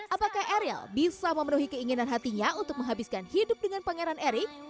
apakah eril bisa memenuhi keinginan hatinya untuk menghabiskan hidup dengan pangeran erik